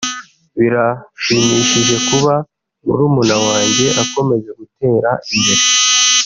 “Birashimishije kuba murumuna wanjye akomeje gutera imbere